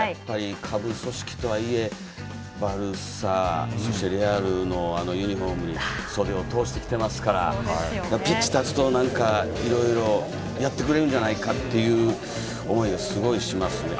下部組織とはいえバルサ、レアルのユニフォームに袖を通してきていますからピッチに立つといろいろやってくれるんじゃないかという思いがすごくしますね。